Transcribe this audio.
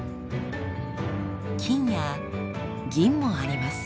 金や銀もあります。